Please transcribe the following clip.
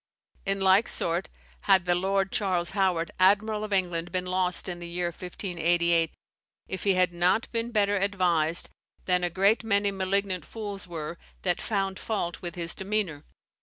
In like sort had the Lord Charles Howard, admiral of England, been lost in the year 1588, if he had not been better advised, than a great many malignant fools were, that found fault with his demeanour.